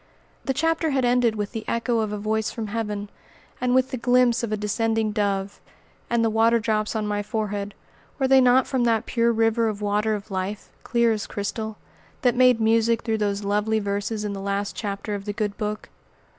The chapter had ended with the echo of a voice from heaven, and with the glimpse of a descending Dove. And the water drops on my forehead, were they not from that "pure river of water of life, clear as crystal," that made music through those lovely verses in the last chapter of the good Book?